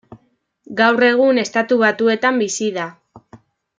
Gaur egun Estatu Batuetan bizi da.